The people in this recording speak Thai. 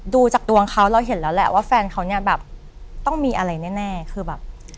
ดูจากดวงเขาเราเห็นแล้วแหละว่าแฟนเขาเนี่ยแบบต้องมีอะไรแน่คือแบบ